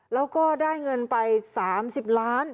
แล้วก็ได้เงินไป๓๐ล้าน